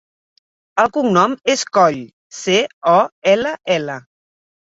El cognom és Coll: ce, o, ela, ela.